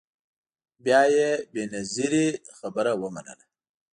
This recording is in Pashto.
بیا یې بنظیري خبره ومنله